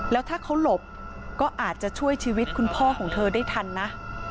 แล้วถ้าเขาหลบก็อาจจะช่วยชีวิตคุณพ่อของเธอได้ทันนะ